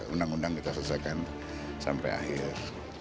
undang undang kita selesaikan sampai akhir